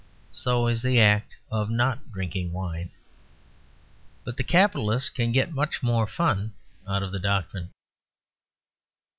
So is the act of not drinking wine. But the capitalist can get much more fun out of the doctrine.